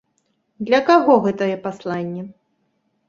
Для каго гэтае пасланне?